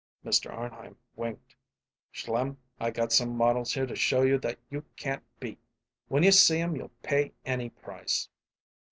Mr. Arnheim winked. "Schlim, I got some models here to show you that you can't beat. When you see 'em you'll pay any price."